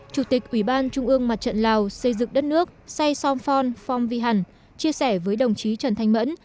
chủ tịch ủy ban trung mương mặt trận lào xây dựng đất nước sai song phong phong vi hẳn chia sẻ với đồng chí trần thanh mẫn